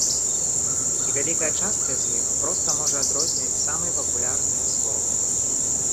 І вялікая частка з іх проста можа адрозніць самыя папулярныя словы.